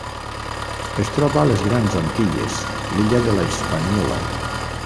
Es troba a les Grans Antilles: l'illa de la Hispaniola.